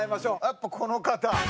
やっぱこの方。